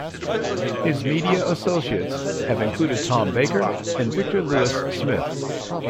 His media associates have included Tom Baker and Victor Lewis-Smith.